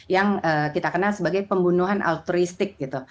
yang kita kenal sebagai pembunuhan autoristik gitu